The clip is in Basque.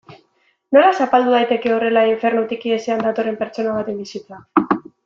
Nola zapaldu daiteke horrela infernutik ihesean datorren pertsona baten bizitza?